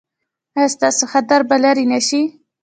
ایا ستاسو خطر به لرې نه شي؟